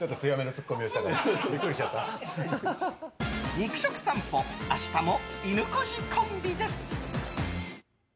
肉食さんぽ明日も、いぬこじコンビです！